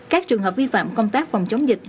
các trường hợp vi phạm công tác phòng chống dịch